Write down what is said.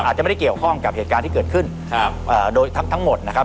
อาจจะไม่ได้เกี่ยวข้องกับเหตุการณ์ที่เกิดขึ้นโดยทั้งหมดนะครับ